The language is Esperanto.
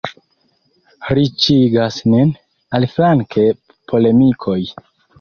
Riĉigas nin, aliflanke, polemikoj.